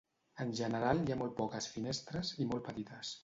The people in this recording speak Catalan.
En general hi ha molt poques finestres, i molt petites.